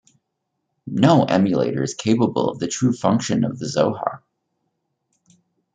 No emulator is capable of the true function of the Zohar.